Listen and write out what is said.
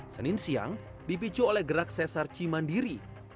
senin siang dipicu oleh gerak sesar cimandiri